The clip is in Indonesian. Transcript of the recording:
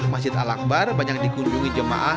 masjid al akbar banyak dikunjungi jemaah